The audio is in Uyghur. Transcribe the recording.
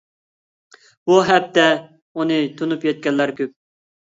بۇ ھەپتە بۇنى تونۇپ يەتكەنلەر كۆپ.